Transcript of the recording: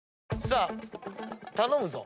さあ頼むぞ。